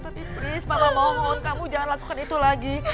tapi please mama mohon kamu jangan lakukan itu lagi